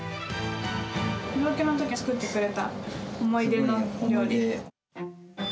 病気のとき、作ってくれた思い出の料理。